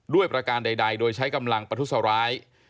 ประการใดโดยใช้กำลังประทุษร้าย